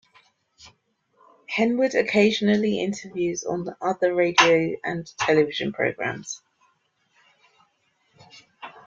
Henwood occasionally interviews on other radio and television programs.